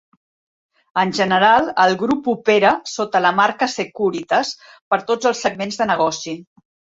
En general, el grup opera sota la marca Securitas per tots els segments de negoci.